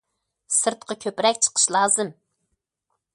سىرتقا كۆپرەك چىقىش لازىم.